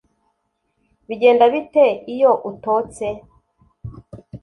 Bigenda bite iyo utose?